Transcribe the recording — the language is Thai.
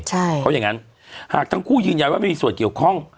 เพราะอย่างงั้นหากทั้งคู่ยืนยันว่าไม่มีส่วนเกี่ยวข้อง